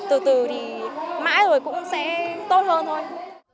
từ từ thì mãi rồi cũng sẽ tốt hơn thôi